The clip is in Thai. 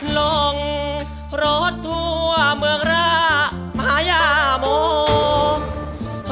ลงรถทั่วเมืองรามหายามอง